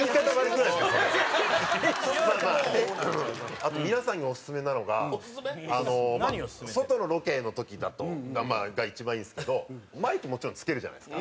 あと、皆さんにオススメなのが外のロケの時が一番いいんですけどマイク、もちろんつけるじゃないですか。